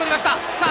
さあ